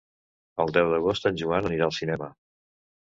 El deu d'agost en Joan anirà al cinema.